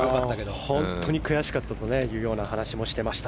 本当に悔しかったという話もしていました。